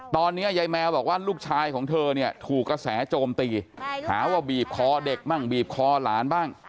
ตอนนี้ยายแมวบอกว่าลูกชายของเธอเนี่ยถูกกระแสโจมตีหาว่าบีบคอเด็กบ้างบีบคอหลานบ้าง